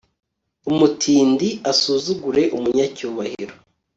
umutindi asuzugure umunyacyubahiro